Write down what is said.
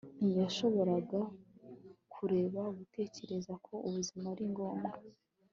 Ntiyashoboraga kureka gutekereza ko ubuzima ari ngombwa